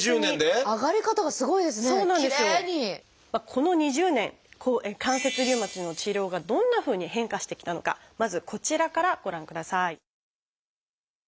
この２０年関節リウマチの治療がどんなふうに変化してきたのかまずこちらからご覧ください。